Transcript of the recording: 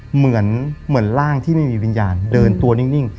เหมือนร่างที่ไม่มีวิญญาณเดินตัวนิ่ง